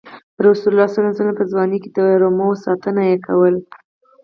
رسول الله ﷺ په ځوانۍ کې د رمو ساتنه یې کوله.